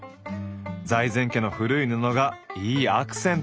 財前家の古い布がいいアクセントに！